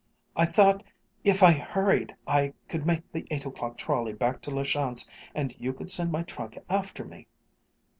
I thought if I hurried I could make the eight o'clock trolley back to La Chance, and you could send my trunk after me."